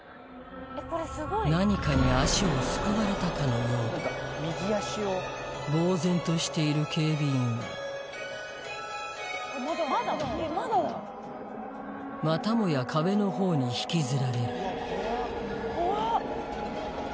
何かに足をすくわれたかのようだぼうぜんとしている警備員はまたもや壁のほうに引きずられる